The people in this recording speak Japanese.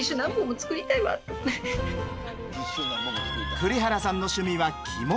栗原さんの趣味は着物。